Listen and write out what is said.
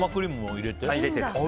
入れてです。